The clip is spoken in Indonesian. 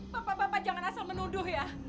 bapak bapak jangan asal menuduh ya